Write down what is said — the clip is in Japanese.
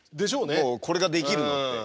もうこれができるのって。